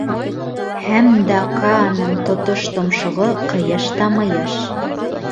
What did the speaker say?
Һәм да Кааның тотош томшоғо ҡыйыш та мыйыш.